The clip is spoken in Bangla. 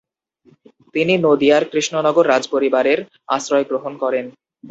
তিনি নদিয়ার কৃষ্ণনগর রাজপরিবারের আশ্রয় গ্রহণ করেন।